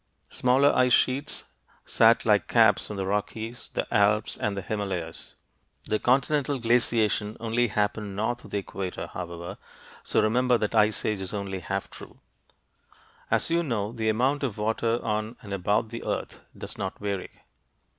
Smaller ice sheets sat like caps on the Rockies, the Alps, and the Himalayas. The continental glaciation only happened north of the equator, however, so remember that "Ice Age" is only half true. As you know, the amount of water on and about the earth does not vary.